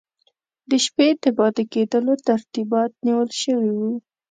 د شپې د پاته کېدلو ترتیبات نیول سوي وو.